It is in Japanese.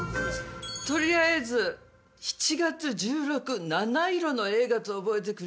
取りあえず７月１６日「ナナイロの映画」と覚えてくれる？